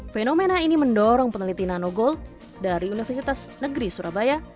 fenomena ini mendorong peneliti nanogold dari universitas negeri surabaya